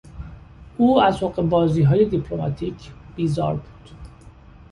او از حقهبازیهای دیپلماتیک بیزار بود.